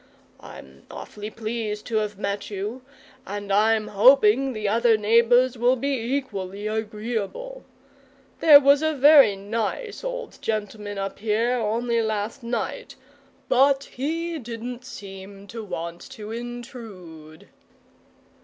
I'm awfully pleased to have met you, and I'm hoping the other neighbours will be equally agreeable. There was a very nice old gentleman up here only last night, but he didn't seem to want to intrude."